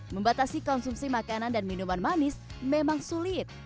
membatasi konsumsi makanan dan minuman manis memang sulit